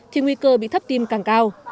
thì nguy cơ bị thấp tim càng cao